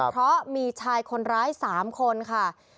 เพราะมีชายคนร้าย๓คนค่ะ